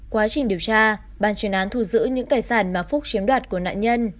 quá trình điều tra ban chuyên án thu giữ những tài sản mà phúc chiếm đoạt của nạn nhân